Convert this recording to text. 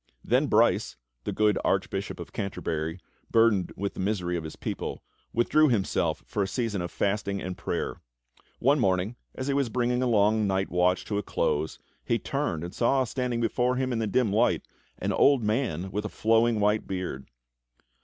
Then Brice, the good Archbishop of Canterbury, burdened with the misery of his people, withdrew himself for a season of fasting and prayer. One morning, as he was bringing a long night watch to a close, he turned and saw standing before him in the dim light an old man with a flowing white beard.